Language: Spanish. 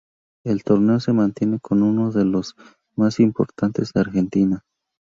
El torneo se mantiene como uno de los más importantes de Argentina.